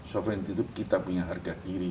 sovereign itu kita punya harga diri